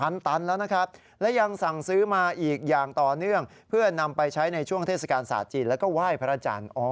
นะครับและตั้งแต่ตั้งแต่ต้นเดือนสิงหาคม